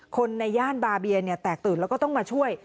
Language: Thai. คนในย่านบาเบียแตกตื่นแล้วก็ต้องมาช่วย